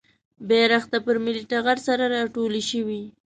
بېرته پر ملي ټغر سره راټولې شوې.